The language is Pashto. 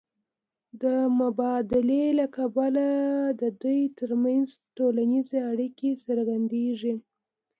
د مبادلې له کبله د دوی ترمنځ ټولنیزې اړیکې څرګندېږي